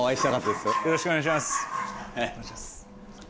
よろしくお願いします。